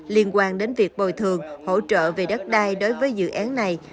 liên quan đến việc bồi thường hỗ trợ về đất đai đối với dự án này